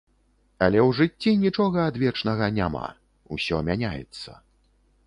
Але ў жыцці нічога адвечнага няма, усё мяняецца.